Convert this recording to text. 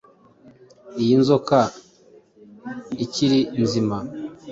Iyi nzoka ikiri nzima